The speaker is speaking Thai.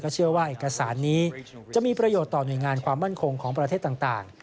เชื่อว่าเอกสารนี้จะมีประโยชน์ต่อหน่วยงานความมั่นคงของประเทศต่าง